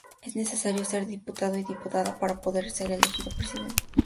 Es necesario ser diputado o diputada para poder ser elegido presidente.